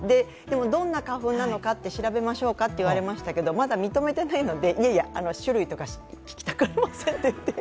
どんな花粉なのか調べましょうかと言われましたけど、まだ認めてないのでいやいや、種類とか聞きたくありませんって言って。